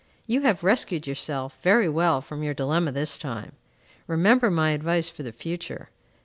You have rescued yourself very well from your dilemma this time. Remember my advice for the future.